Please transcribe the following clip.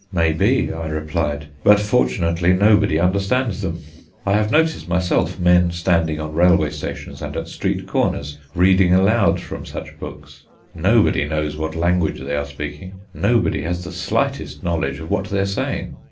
"Maybe," I replied; "but fortunately nobody understands them. I have noticed, myself, men standing on railway platforms and at street corners reading aloud from such books. Nobody knows what language they are speaking; nobody has the slightest knowledge of what they are saying.